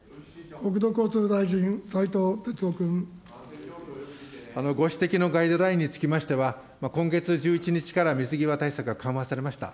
国土交通大臣、ご指摘のガイドラインにつきましては、今月１１日から水際対策が緩和されました。